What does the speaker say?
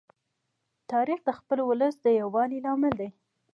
تاریخ د خپل ولس د یووالي لامل دی.